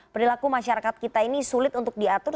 perilaku masyarakat kita ini sulit untuk diatur